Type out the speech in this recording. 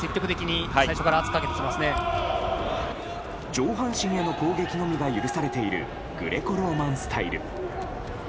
上半身への攻撃のみが許されているグレコローマンスタイル。